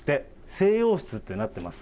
静養室ってなってます。